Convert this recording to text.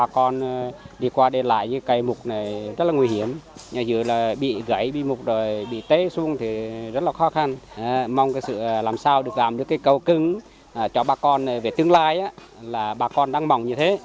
cây cầu cứng cho bà con về tương lai là bà con đang mong như thế